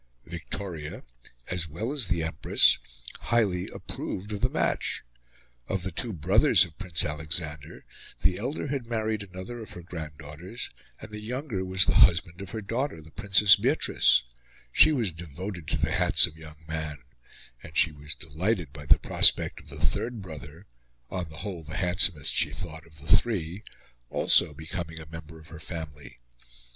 Victoria, as well as the Empress, highly approved of the match. Of the two brothers of Prince Alexander, the elder had married another of her grand daughters, and the younger was the husband of her daughter, the Princess Beatrice; she was devoted to the handsome young man; and she was delighted by the prospect of the third brother on the whole the handsomest, she thought, of the three also becoming a member of her family.